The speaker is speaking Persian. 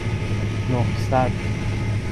نهصد